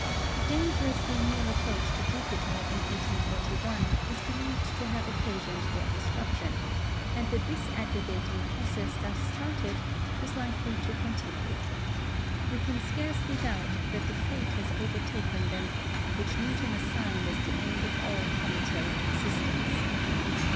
A dangerously near approach to Jupiter in 1841 is believed to have occasioned their disruption, and the disaggregating process thus started was likely to continue. We can scarcely doubt that the fate has overtaken them which Newton assigned as the end of all cometary existence.